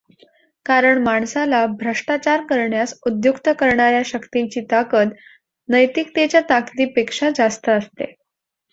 कारण माणसाला भ्रष्टाचार करण्यास उद्युक्त करणार्या शक्तींची ताकद नैतिकतेच्या ताकदीपेक्षा जास्त असते.